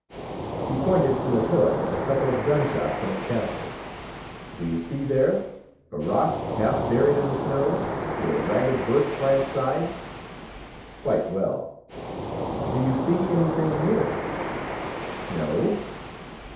He pointed to a hillock at a couple of gunshots from the castle. "Do you see there a rock half buried in the snow, with a ragged bush by its side?" "Quite well." "Do you see anything near?" "No."